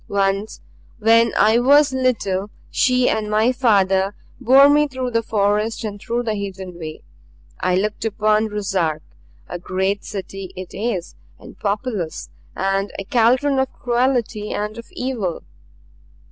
"Once when I was little she and my father bore me through the forest and through the hidden way. I looked upon Ruszark a great city it is and populous, and a caldron of cruelty and of evil.